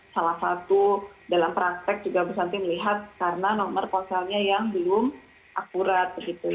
salah satu dalam praktek juga bu santi melihat karena nomor ponselnya yang belum akurat